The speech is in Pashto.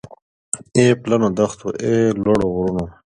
اې پلنو دښتو اې لوړو غرونو